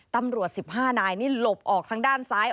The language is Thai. ๑๕นายนี่หลบออกทางด้านซ้าย